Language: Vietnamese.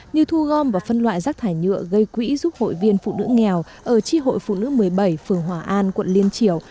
như thu gom và phân loại rác thải nhựa gây quỹ giúp hội viên phụ nữ nghèo ở chi hội phụ nữ một mươi bảy phường hòa an quận liên triều